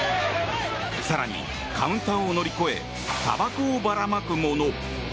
更にカウンターを乗り越えたばこをばらまく者。